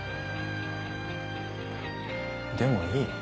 でもいい。